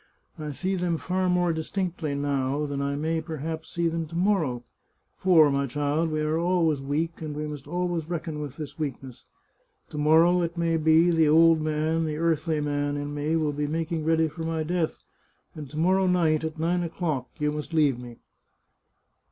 I see them far more distinctly now, than I may, perhaps, see them to morrow, for, my child, we are always weak, and we must always reckon with this weakness. To morrow, it may be, the old man, the earthly man, in me, will be making ready for my death, and to morrow night, at nine o'clock, you must leave me."